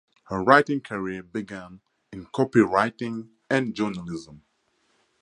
Her writing career began in copy-writing and journalism.